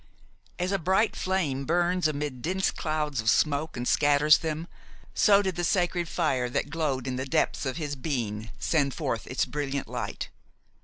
As a bright flame burns amid dense clouds of smoke and scatters them, so did the sacred fire that glowed in the depths of his being send forth its brilliant light.